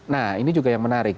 nah ini juga yang menarik